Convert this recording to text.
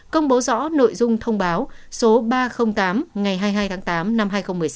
công bố rõ nội dung thông báo số ba trăm linh tám ngày hai mươi hai tháng tám năm hai nghìn một mươi sáu